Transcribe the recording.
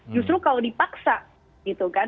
justru kalau dipaksa gitu kan